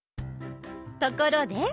ところで！